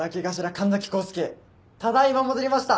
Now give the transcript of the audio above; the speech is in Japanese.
神崎康介ただ今戻りました。